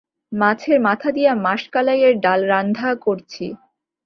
মাছের মাথা দিয়া মাষকালাইয়ের ডাল রানধা করছি।